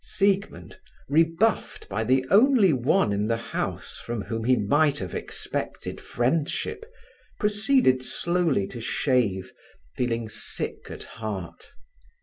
Siegmund, rebuffed by the only one in the house from whom he might have expected friendship, proceeded slowly to shave, feeling sick at heart.